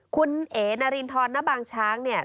คุณเอ๋นารินทรณบางช้างเนี่ย